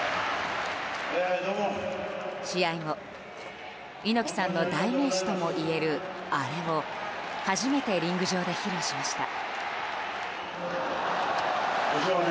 試合後、猪木さんの代名詞ともいえるあれを初めてリング上で披露しました。